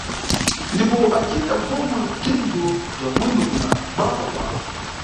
Ndipo acicita pomwe bzinthu bza bwino kuna baba wawo.